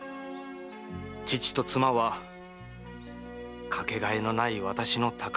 義父と妻は掛けがえのない私の宝だ。